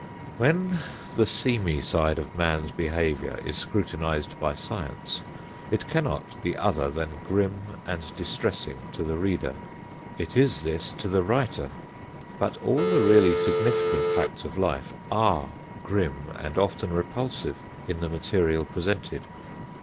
When the seamy side of man's behavior is scrutinized by science, it cannot be other than grim and distressing to the reader. It is this to the writer. But all the really significant facts of life are grim and often repulsive in the material presented.